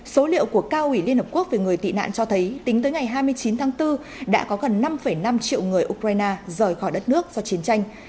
số liệu của cao ủy liên hợp quốc về người tị nạn cho thấy tính tới ngày hai mươi chín tháng bốn đã có gần năm năm triệu người ukraine rời khỏi đất nước do chiến tranh